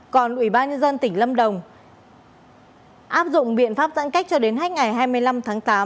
còn ubnd tỉnh lâm đồng áp dụng biện pháp giãn cách cho đến hành ngày hai mươi năm tháng tám